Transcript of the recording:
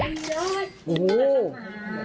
อร่อยสะสักมา